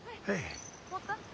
持った？